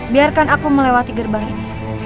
biarkan aku melewati gerbang ini